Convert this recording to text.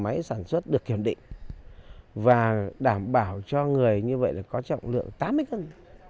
máy sản xuất được kiểm định và đảm bảo cho người như vậy là có trọng lượng tám mươi cân